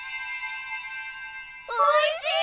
おいしい！